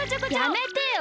やめてよ！